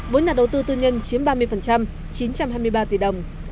với nhà đầu tư tư nhân chiếm ba mươi chín trăm hai mươi ba tỷ đồng